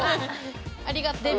ありがとう。